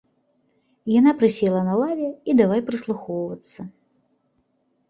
Яна прысела на лаве і давай прыслухоўвацца.